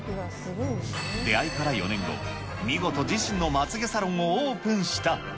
出会いから４年後、見事、自身のまつげサロンをオープンした。